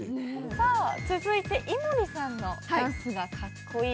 さあ続いて井森さんの「ダンスがカッコイイ！